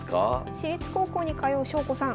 私立高校に通う翔子さん